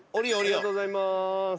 ありがとうございます。